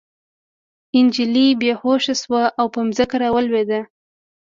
نجلۍ بې هوښه شوه او په ځمکه راولوېده